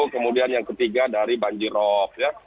kemudian yang ketiga dari banjir roh